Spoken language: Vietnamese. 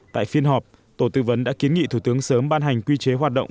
tại phiên họp tổ tư vấn đã kiến nghị thủ tướng sớm ban hành quy chế hoạt động